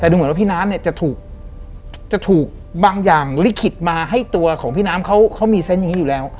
แต่ดูเหมือนว่าพี่น้ำเนี่ยจะถูกจะถูกบางอย่างลิขิตมาให้ตัวของพี่น้ำเขามีเซนต์อย่างนี้อยู่แล้ว